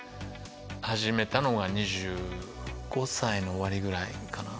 始めたのが２５歳の終わりぐらいかな。